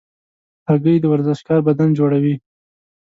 هګۍ د ورزشکار بدن جوړوي.